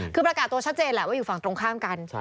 คือประกาศตัวชัดเจนแหละว่าอยู่ฝั่งตรงข้ามกัน